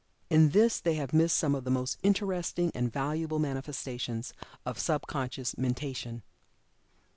In this they have missed some of the most interesting and valuable manifestations of sub conscious mentation.